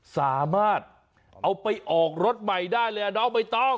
สามารถเอาไปออกรถใหม่ได้เลยอ่ะน้องใบตอง